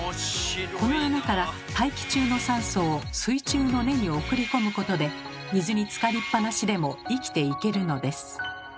この穴から大気中の酸素を水中の根に送り込むことで水に浸かりっぱなしでも生きていけるのです。